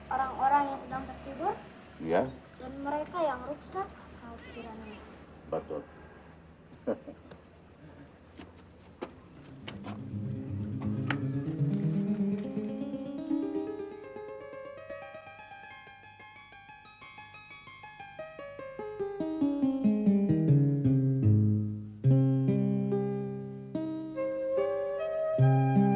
orang orang yang belum dewasa